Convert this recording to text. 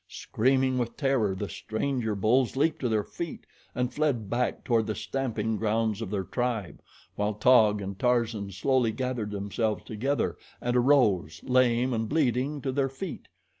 Screaming with terror, the stranger bulls leaped to their feet and fled back toward the stamping ground of their tribe, while Taug and Tarzan slowly gathered themselves together and arose, lame and bleeding, to their feet.